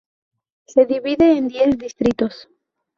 Se divide en diez distritos.